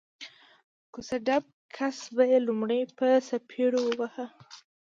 کوڅه ډب کس به یې لومړی په څپېړو واهه